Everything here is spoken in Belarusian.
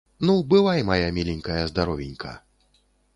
Ну, бывай, мая міленькая здаровенька.